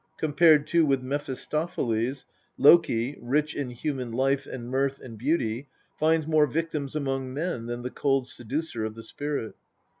Compared too with Mephistopheles, Loki, rich in human life and mirth and beauty, finds more victims among men than the cold seducer of the spirit.